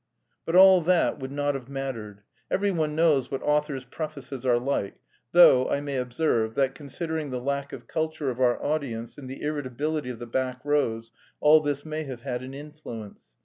But all that would not have mattered; every one knows what authors' prefaces are like, though, I may observe, that considering the lack of culture of our audience and the irritability of the back rows, all this may have had an influence.